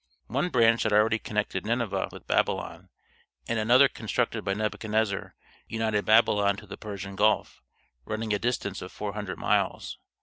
One branch had already connected Nineveh with Babylon, and another constructed by Nebuchadnezzar united Babylon to the Persian Gulf, running a distance of four hundred miles.